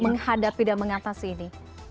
menghadapi dan mengatasi ini